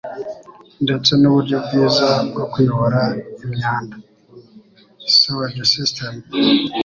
ndetse n'uburyo bwiza bwo kuyobora imyanda (sewage system).